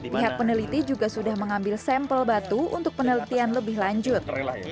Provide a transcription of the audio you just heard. pihak peneliti juga sudah mengambil sampel batu untuk penelitian lebih lanjut